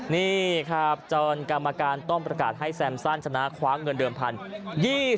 นี่ครับจรกรรมการต้องประกาศให้แซมซั่นชนะคว้าเงินเดิมพันธุ์